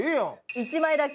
１枚だけ。